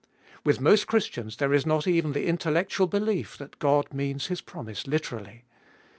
With most Christians there is not even the intellectual belief that God means His promise literally.